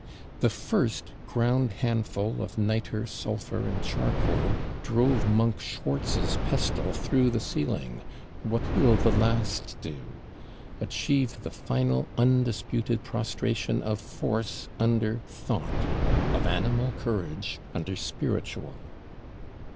The first ground handful of Nitre, Sulphur, and Charcoal drove Monk Schwartz's pestle through the ceiling: what will the last do? Achieve the final undisputed prostration of Force under Thought, of Animal courage under Spiritual.